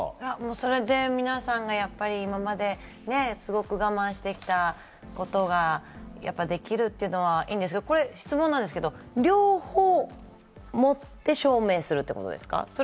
それで皆さんがやっぱりすごく我慢してきたことができるというのはいいんですけど、質問ですけど、両方を持って証明するんですか？